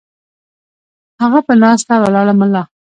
هغه پۀ ناسته ولاړه ملا